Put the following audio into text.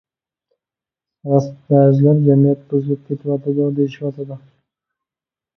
راست، بەزىلەر، جەمئىيەت بۇزۇلۇپ كېتىۋاتىدۇ، دېيىشىۋاتىدۇ.